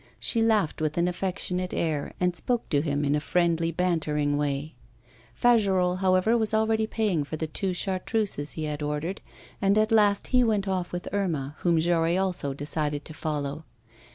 She laughed with an affectionate air, and spoke to him in a friendly, bantering way. Fagerolles, however, was already paying for the two chartreuses he had ordered, and at last he went off with Irma, whom Jory also decided to follow.